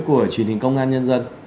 của truyền hình công an nhân dân